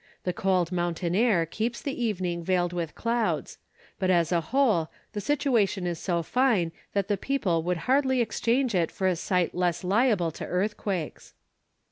The cold mountain air keeps the evening veiled with clouds. But as a whole, the situation is so fine that the people would hardly exchange it for a site less liable to earthquakes.